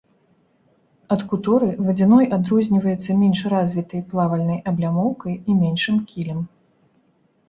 Ад куторы вадзяной адрозніваецца менш развітай плавальнай аблямоўкай і меншым кілем.